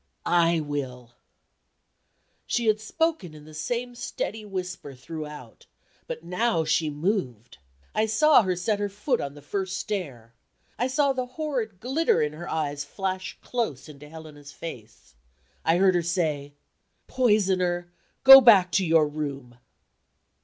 "I will." She had spoken in the same steady whisper throughout but now she moved. I saw her set her foot on the first stair. I saw the horrid glitter in her eyes flash close into Helena's face. I heard her say: "Poisoner, go back to your room."